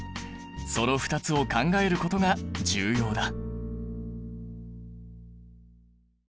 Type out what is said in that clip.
その２つを考えることが重要だ！